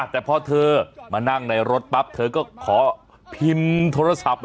แต่พอเธอมานั่งในรถปั๊บเธอก็ขอพิมพ์โทรศัพท์